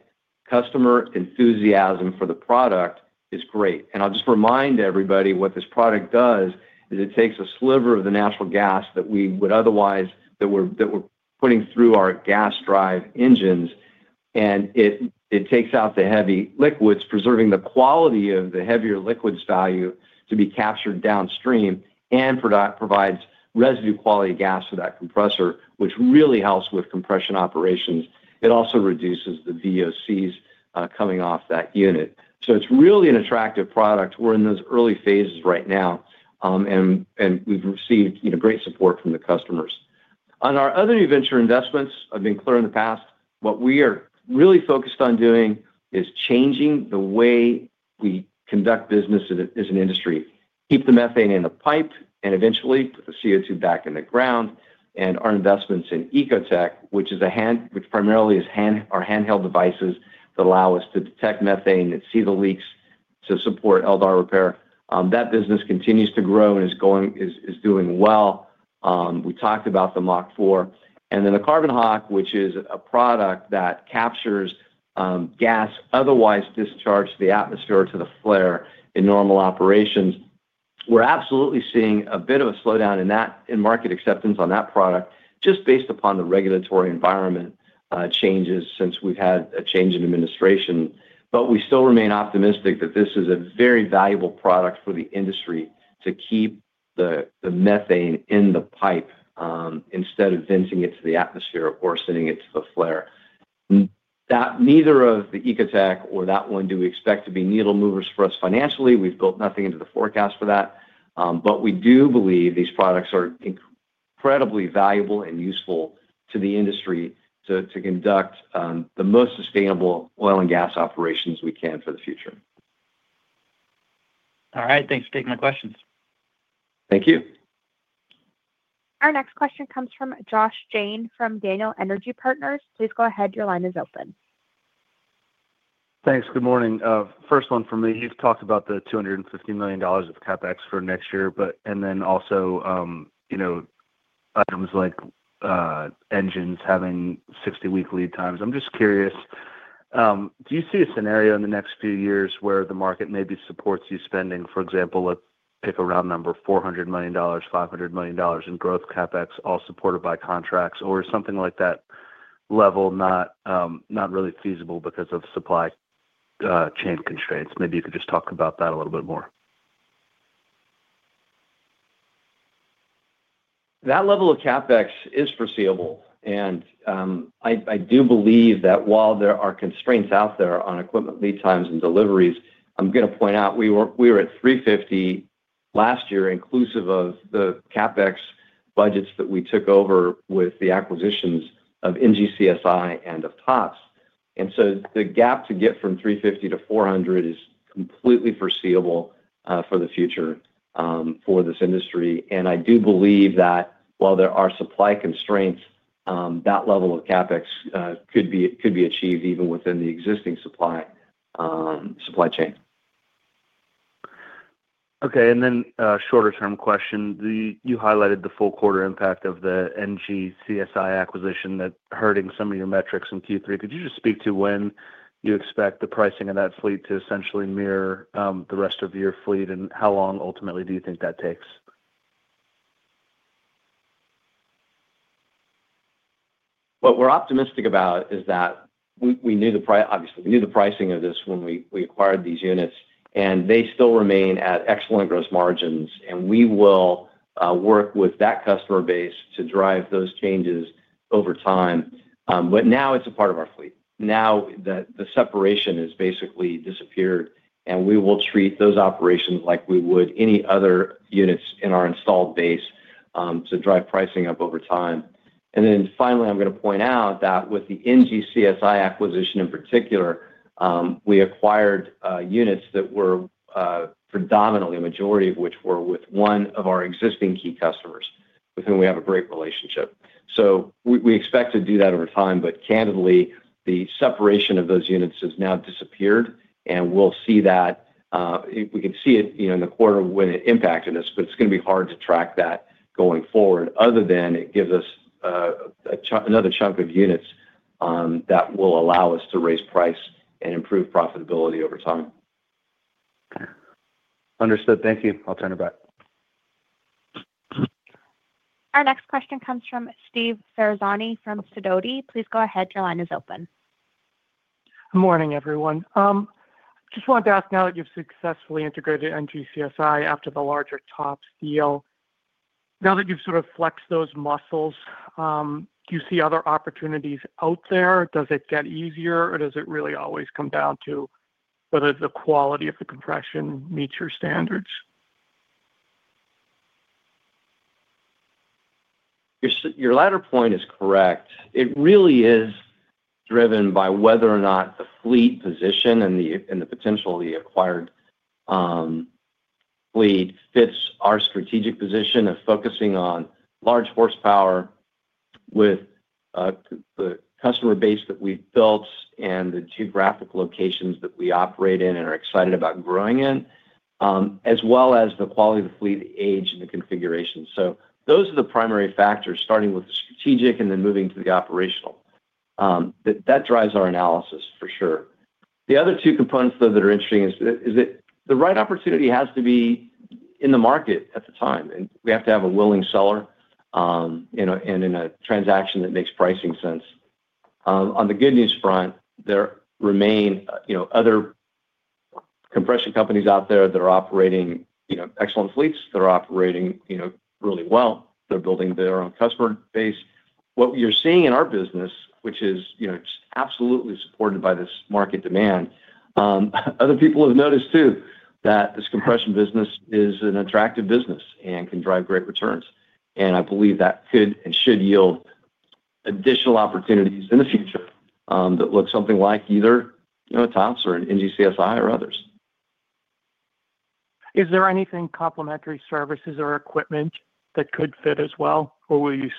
customer enthusiasm for the product is great. And I'll just remind everybody what this product does, is it takes a sliver of the natural gas that we would otherwise that we're putting through our gas drive engines, and it takes out the heavy liquids, preserving the quality of the heavier liquids value to be captured downstream and provides residue-quality gas for that compressor, which really helps with compression operations. It also reduces the VOCs coming off that unit. So it's really an attractive product. We're in those early phases right now. And we've received great support from the customers. On our other new venture investments, I've been clear in the past, what we are really focused on doing is changing the way we conduct business as an industry, keep the methane in the pipe, and eventually put the CO2 back in the ground. And our investments in Ecotec, which. Primarily is our handheld devices that allow us to detect methane and see the leaks to support LDAR repair. That business continues to grow and is doing well. We talked about the MACH4. And then the Carbon Hawk, which is a product that captures gas otherwise discharged to the atmosphere or to the flare in normal operations. We're absolutely seeing a bit of a slowdown in market acceptance on that product, just based upon the regulatory environment changes since we've had a change in administration. But we still remain optimistic that this is a very valuable product for the industry to keep the methane in the pipe instead of venting it to the atmosphere or sending it to the flare. Neither of the Ecotec or that one do we expect to be needle movers for us financially. We've built nothing into the forecast for that. But we do believe these products are incredibly valuable and useful to the industry to conduct the most sustainable oil and gas operations we can for the future. All right. Thanks for taking my questions. Thank you. Our next question comes from Josh Jayne from Daniel Energy Partners. Please go ahead. Your line is open. Thanks. Good morning. First one for me. You've talked about the $250 million of CapEx for next year, and then also. Items like. Engines having 60-week lead times. I'm just curious. Do you see a scenario in the next few years where the market maybe supports you spending, for example, let's pick a round number, $400 million, $500 million in growth CapEx, all supported by contracts, or something like that level not really feasible because of supply. Chain constraints? Maybe you could just talk about that a little bit more. That level of CapEx is foreseeable. And. I do believe that while there are constraints out there on equipment lead times and deliveries, I'm going to point out we were at $350 million last year, inclusive of the CapEx budgets that we took over with the acquisitions of NGCSI and of TOPS. And so the gap to get from $350 million to $400 million is completely foreseeable for the future. For this industry. And I do believe that while there are supply constraints, that level of CapEx could be achieved even within the existing supply chain. Okay. And then a shorter-term question. You highlighted the full quarter impact of the NGCSI acquisition that's hurting some of your metrics in Q3. Could you just speak to when you expect the pricing of that fleet to essentially mirror the rest of your fleet, and how long ultimately do you think that takes? What we're optimistic about is that. Obviously, we knew the pricing of this when we acquired these units, and they still remain at excellent gross margins. We will work with that customer base to drive those changes over time, but now it's a part of our fleet. Now the separation has basically disappeared, and we will treat those operations like we would any other units in our installed base to drive pricing up over time. Finally, I'm going to point out that with the NGCSI acquisition in particular. We acquired units that were predominantly, a majority of which were with one of our existing key customers with whom we have a great relationship. So we expect to do that over time. But candidly, the separation of those units has now disappeared. We can see it in the quarter when it impacted us, but it's going to be hard to track that going forward other than it gives us. Another chunk of units that will allow us to raise price and improve profitability over time. Understood. Thank you. I'll turn it back. Our next question comes from Steve Ferazani from Sidoti. Please go ahead. Your line is open. Good morning, everyone. I just wanted to ask now that you've successfully integrated NGCSI after the larger TOPS deal. Now that you've sort of flexed those muscles. Do you see other opportunities out there? Does it get easier, or does it really always come down to whether the quality of the compression meets your standards? Your latter point is correct. It really is driven by whether or not the fleet position and the potential of the acquired fleet fits our strategic position of focusing on large horsepower with. The customer base that we've built and the geographic locations that we operate in and are excited about growing in, as well as the quality of the fleet, age, and the configuration. Those are the primary factors, starting with the strategic and then moving to the operational. That drives our analysis, for sure. The other two components, though, that are interesting is that the right opportunity has to be in the market at the time. And we have to have a willing seller. And in a transaction that makes pricing sense. On the good news front, there remain other. Compression companies out there that are operating excellent fleets that are operating really well. They're building their own customer base. What you're seeing in our business, which is absolutely supported by this market demand, other people have noticed too that this compression business is an attractive business and can drive great returns. And I believe that could and should yield. Additional opportunities in the future that look something like either TOPS or NGCSI or others. Is there anything complementary services or equipment that could fit as well, or will you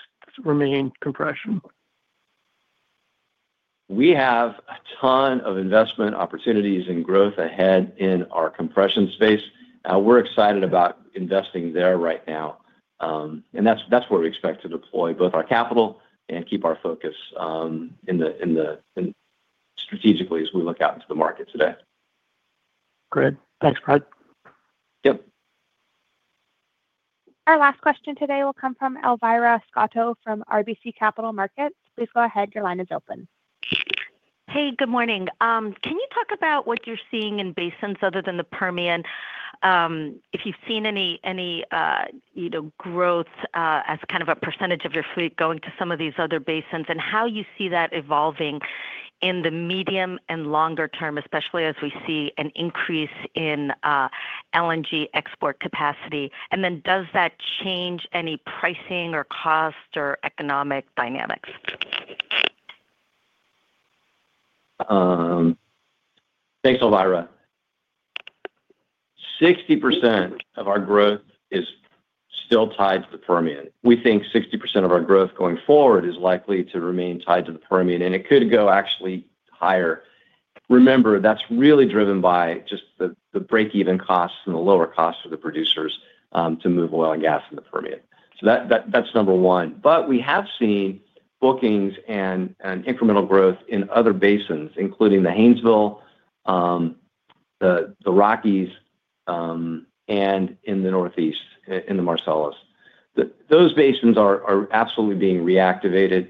remain compression? We have a ton of investment opportunities and growth ahead in our compression space. We're excited about investing there right now. And that's where we expect to deploy both our capital and keep our focus in the. Strategically as we look out into the market today. Great. Thanks, Brad. Yep. Our last question today will come from Elvira Scotto from RBC Capital Markets. Please go ahead. Your line is open. Hey, good morning. Can you talk about what you're seeing in basins other than the Permian? If you've seen any growth as kind of a percentage of your fleet going to some of these other basins and how you see that evolving in the medium and longer term, especially as we see an increase in LNG export capacity, and then does that change any pricing or cost or economic dynamics? Thanks, Elvira. 60% of our growth is still tied to the Permian. We think 60% of our growth going forward is likely to remain tied to the Permian, and it could go actually higher. Remember, that's really driven by just the break-even costs and the lower costs for the producers to move oil and gas in the Permian. So that's number one. But we have seen bookings and incremental growth in other basins, including the Haynesville, the Rockies, and in the Northeast, in the Marcellus. Those basins are absolutely being reactivated.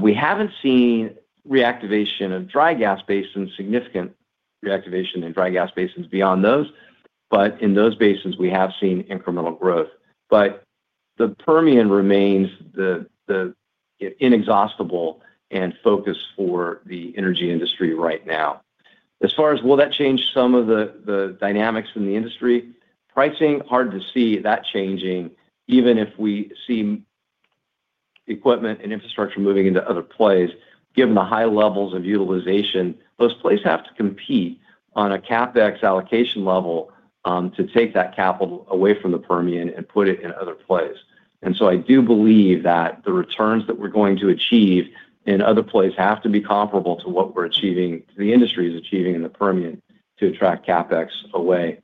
We haven't seen reactivation of dry gas basins, significant reactivation in dry gas basins beyond those. But in those basins, we have seen incremental growth. But the Permian remains. Inexhaustible and focused for the energy industry right now. As far as will that change some of the dynamics in the industry? Pricing, hard to see that changing even if we see. Equipment and infrastructure moving into other plays. Given the high levels of utilization, those plays have to compete on a CapEx allocation level to take that capital away from the Permian and put it in other plays. And so I do believe that the returns that we're going to achieve in other plays have to be comparable to what we're achieving, the industry is achieving in the Permian to attract CapEx away.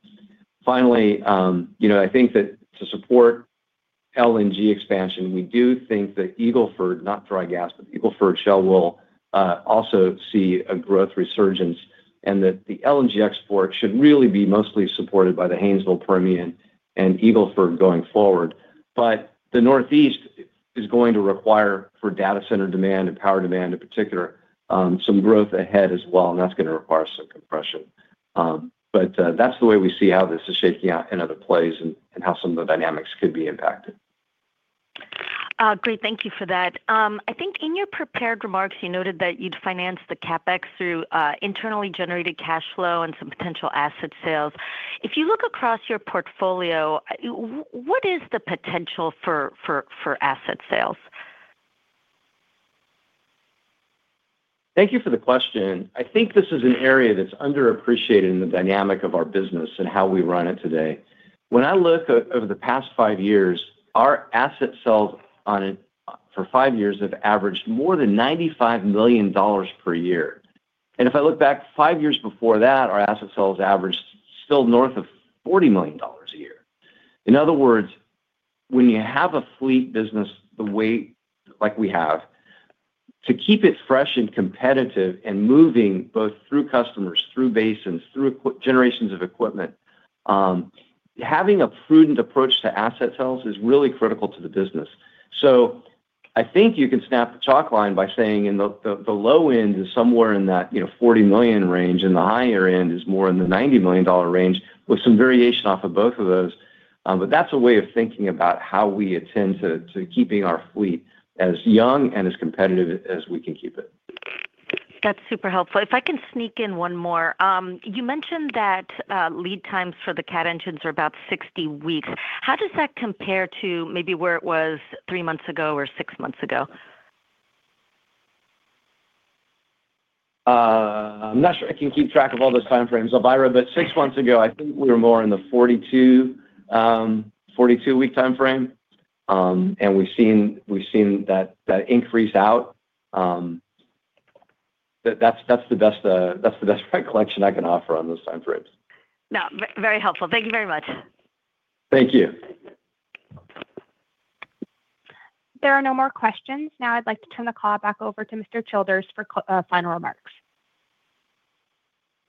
Finally, I think that to support LNG expansion, we do think that Eagle Ford, not dry gas, but Eagle Ford Shale will also see a growth resurgence and that the LNG export should really be mostly supported by the Haynesville, Permian, and Eagle Ford going forward. But the Northeast is going to require for data center demand and power demand in particular some growth ahead as well, and that's going to require some compression. But that's the way we see how this is shaking out in other plays and how some of the dynamics could be impacted. Great. Thank you for that. I think in your prepared remarks, you noted that you'd finance the CapEx through internally generated cash flow and some potential asset sales. If you look across your portfolio, what is the potential for asset sales? Thank you for the question. I think this is an area that's underappreciated in the dynamic of our business and how we run it today. When I look over the past five years, our asset sales for five years have averaged more than $95 million per year. If I look back five years before that, our asset sales averaged still north of $40 million a year. In other words, when you have a fleet business the way like we have, to keep it fresh and competitive and moving both through customers, through basins, through generations of equipment, having a prudent approach to asset sales is really critical to the business. So I think you can snap the chalk line by saying the low end is somewhere in that $40 million range, and the higher end is more in the $90 million range with some variation off of both of those. But that's a way of thinking about how we attend to keeping our fleet as young and as competitive as we can keep it. That's super helpful. If I can sneak in one more, you mentioned that lead times for the CAD engines are about 60 weeks. How does that compare to maybe where it was three months ago or six months ago? I'm not sure I can keep track of all those time frames, Elvira, but six months ago, I think we were more in the 42-week time frame. And we've seen that increase out. That's the best recollection I can offer on those time frames. No, very helpful. Thank you very much. Thank you. There are no more questions. Now I'd like to turn the call back over to Mr. Childers for final remarks.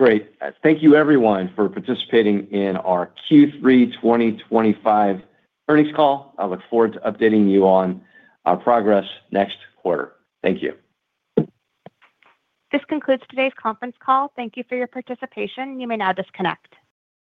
Great. Thank you, everyone, for participating in our Q3 2025 earnings call. I look forward to updating you on our progress next quarter. Thank you. This concludes today's conference call. Thank you for your participation. You may now disconnect.